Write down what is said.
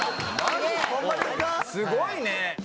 すごいね！